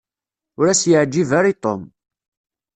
Ur as-yeɛǧib ara i Tom.